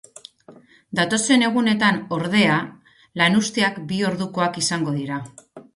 Datozen egunetan, ordea, lanuzteak bi ordukoak izango dira.